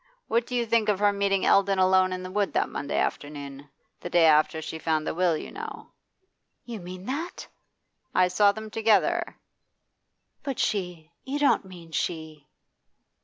What do you think of her meeting Eldon alone in the wood that Monday afternoon, the day after she found the will, you know?' 'You mean that?' 'I saw them together.' 'But she you don't mean she